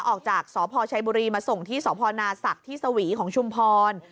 ออกจากสพชัยบุรีมาส่งที่สพนาศักดิ์ที่สวีของชุมพร